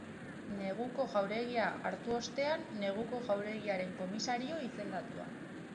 Neguko Jauregia hartu ostean, Neguko Jauregiaren komisario izendatua.